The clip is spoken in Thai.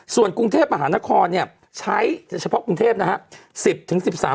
ส่วนกรุงเทพมหานครเนี่ยใช้เฉพาะกรุงเทพนะครับ